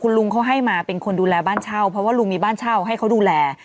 ลุงเขาให้มาเป็นคนดูแลบ้านเช่าเพราะว่าลุงมีบ้านเช่าให้เขาดูแล